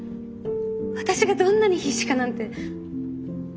私がどんなに必死かなんて。